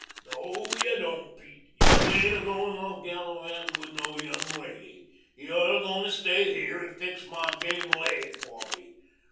"No, you don't, Pete. You ain't a goin' off gallivantin' with no young lady. You're a goin' to stay here and fix my game laig for me.